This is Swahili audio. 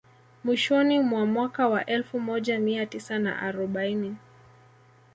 Mwishoni mwa mwaka wa elfu moja mia tisa na arobaini